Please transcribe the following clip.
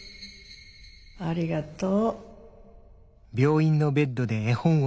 ありがとう。